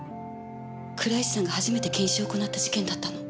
倉石さんが初めて検視を行った事件だったの。